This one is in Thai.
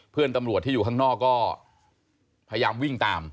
เพื่อนตำรวจที่อยู่ข้างนอกก็พยายามวิ่งตาม